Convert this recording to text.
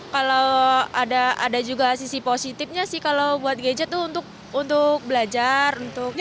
kalau ada juga sisi positifnya sih kalau buat gadget tuh untuk belajar